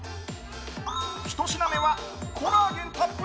１品目はコラーゲンたっぷり！